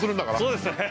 そうですよね。